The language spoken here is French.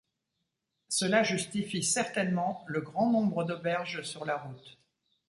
Cela justifie certainement le grand nombre d’auberges sur la route.